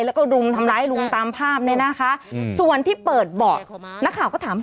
แล้วก็รุมทำร้ายลุงตามภาพเนี่ยนะคะส่วนที่เปิดเบาะนักข่าวก็ถาม